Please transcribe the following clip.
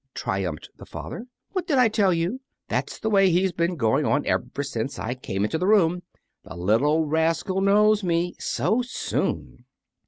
triumphed the father. "What did I tell you? That's the way he's been going on ever since I came into the room; The little rascal knows me so soon!"